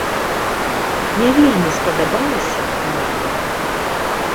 Не вельмі спадабалася, праўда.